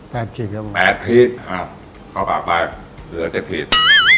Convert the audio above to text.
แปดกรีดครับผมแปดกรีดอ่าเข้าปากไปเหลือเจ็บพีช